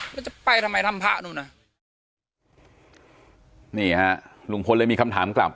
แล้วจะไปทำไมทำพระนู่นน่ะนี่ฮะลุงพลเลยมีคำถามกลับ